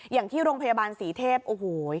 อย่างที่โรงพยาบาลศรีเทพโอ้โห